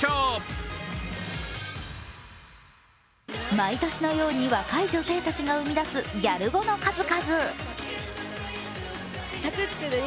毎年のように若い女性たちが生み出すギャル語の数々。